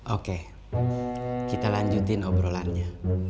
oke kita lanjutin obrolannya